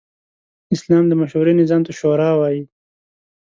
اسلام د مشورې نظام ته “شورا” وايي.